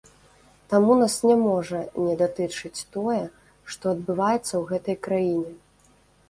Таму нас не можа не датычыць тое, што адбываецца ў гэтай краіне.